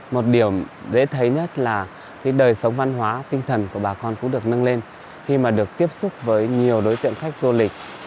một điểm dễ thấy nhất là cái đời sống văn hóa tinh thần của bà con cũng được nâng lên khi mà được tiếp xúc với nhiều đối tượng khách du lịch